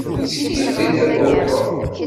Ttekkit deg Tatoeba.